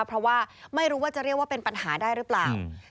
เพราะว่าไม่รู้ว่าจะเรียกว่าเป็นปัญหาได้หรือเปล่า